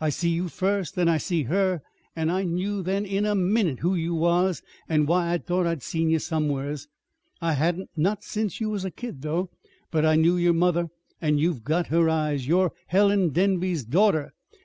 I see you first, then I see her, and I knew then in a minute who you was, and why I'd thought I'd seen ye somewheres. I hadn't not since you was a kid, though; but I knew yer mother, an' you've got her eyes. You're Helen Denby's daughter.